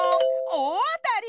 おおあたり！